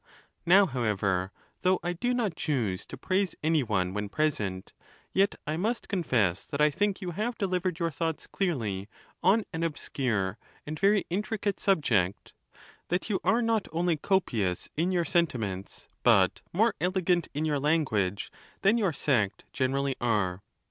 Now, however, though I do not choose to praise any one when present, yet I must confess that I think you have delivered your thoughts clearly on an obscure and — very intricate subject; that you are not only copious in your sentiments, but more elegant in your language than ^, your sect generally are.